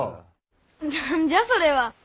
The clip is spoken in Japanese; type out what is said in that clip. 何じゃそれは。